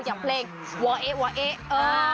อย่างเพลงวอเอ๊วอเอ๊เออ